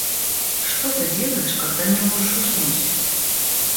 Что ты делаешь, когда не можешь уснуть?